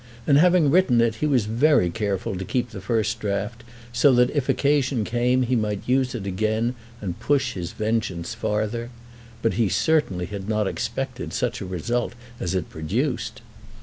And having written it he was very careful to keep the first draft, so that if occasion came he might use it again and push his vengeance farther. But he certainly had not expected such a result as it produced.